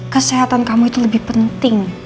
kesehatan kamu itu lebih penting